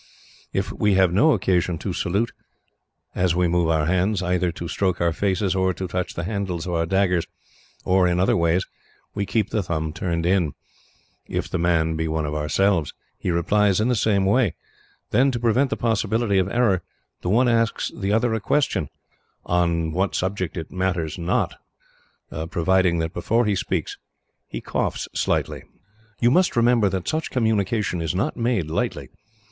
If we have no occasion to salute, as we move our hands, either to stroke our faces, or to touch the handles of our daggers, or in other way, we keep the thumb turned in. If the man be one of ourselves, he replies in the same way. Then, to prevent the possibility of error, the one asks the other a question on what subject it matters not, providing that before he speaks, he coughs slightly. "You must remember that such communication is not made lightly.